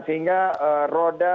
sehingga roda roda ini